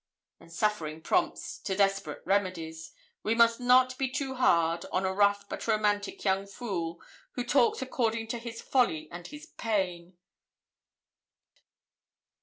And suffering prompts to desperate remedies. We must not be too hard on a rough but romantic young fool, who talks according to his folly and his pain.'